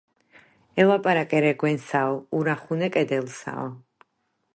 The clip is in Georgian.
ელაპარაკე რეგვენსაო ურახუნე კედელსაო